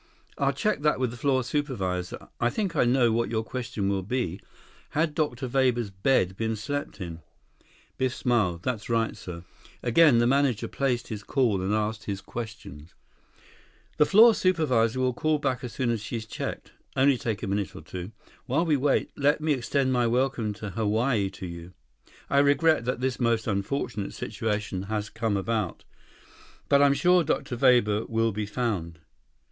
"I'll check that with the floor supervisor. I think I know what your question will be—had Dr. Weber's bed been slept in?" Biff smiled. "That's right, sir." Again the manager placed his call and asked his questions. 31 "The floor supervisor will call back as soon as she's checked. Only take a minute or two. While we wait, let me extend my welcome to Hawaii to you. I regret that this most unfortunate situation has come about. But I'm sure Dr. Weber will be found."